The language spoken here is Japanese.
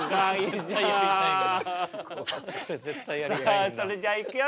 さあそれじゃあいくよ。